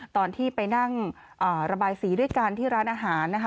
ตอนที่ไปนั่งระบายสีด้วยกันที่ร้านอาหารนะคะ